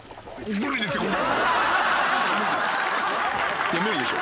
無理でしょ。